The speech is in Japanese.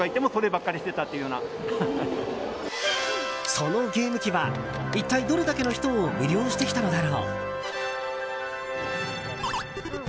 そのゲーム機は一体どれだけの人を魅了してきたのだろう。